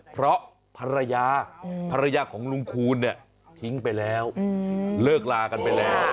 เพราะภรรยาภรรยาของลุงคูณเนี่ยทิ้งไปแล้วเลิกลากันไปแล้ว